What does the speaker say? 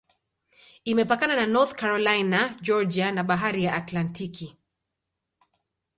Imepakana na North Carolina, Georgia na Bahari ya Atlantiki.